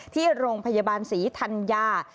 ที่โรงพยาบาลศรีธัญญา